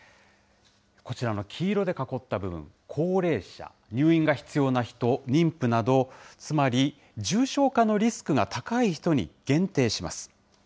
こちらの黄色で囲った部分、高齢者、入院が必要な人、妊婦など、つまり重症化のリスクが高い人に限定します。